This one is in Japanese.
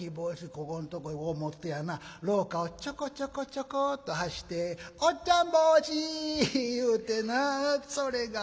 ここんとこへ持ってやな廊下をちょこちょこちょこっと走って『おっちゃん帽子』言うてなそれがかいらしいてなあ。